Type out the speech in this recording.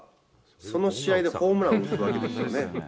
その試合でホームラン打つわけですよね。